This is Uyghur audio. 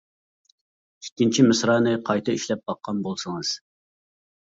ئىككىنچى مىسرانى قايتا ئىشلەپ باققان بولسىڭىز.